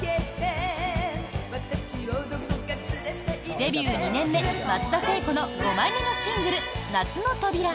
デビュー２年目松田聖子の５枚目のシングル「夏の扉」。